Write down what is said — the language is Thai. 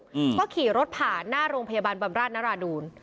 อืมก็ขี่รถผ่านหน้าโรงพยาบาลบำราชนราดูล